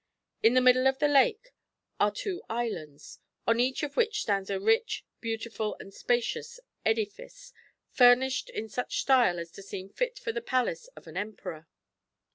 In the middle of the Lake are two Islands, on each of which stands a rich, beautiful and spacious edifice, furnished in such style as to seem fit for the palace of an Emperor.